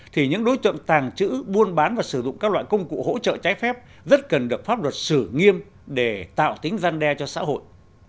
thì những đối tượng tàng trữ buôn bán và sử dụng các loại công cụ hỗ trợ trái phép rất cần được pháp luật xử nghiêm để tạo tính gian đe cho xã hội